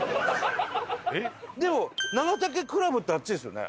でも長竹クラブってあっちですよね？